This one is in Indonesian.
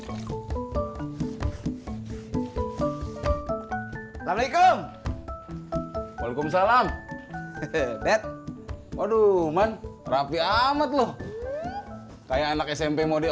assalamualaikum waalaikumsalam bet waduh man rapi amat loh kayak anak smp mau di